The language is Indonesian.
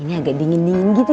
ini agak dingin dingin gitu